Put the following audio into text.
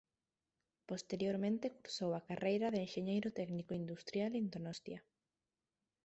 Posteriormente cursou a carreira de enxeñeiro técnico industrial en Donostia.